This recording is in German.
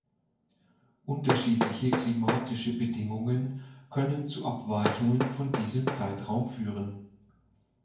Unterschiedliche klimatische Bedingungen können zu Abweichungen von diesem Zeitraum führen.